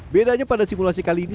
bedanya pada simulasi kali ini